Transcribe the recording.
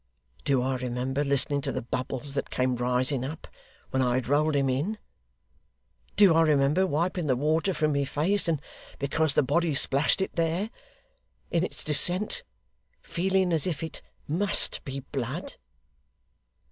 Do I remember listening to the bubbles that came rising up when I had rolled him in? Do I remember wiping the water from my face, and because the body splashed it there, in its descent, feeling as if it MUST be blood?